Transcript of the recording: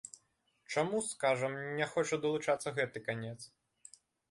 Чаму, скажам, не хоча далучацца гэты канец?